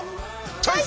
チョイス！